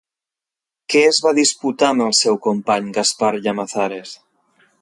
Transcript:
Què es va disputar amb el seu company, Gaspar Llamazares?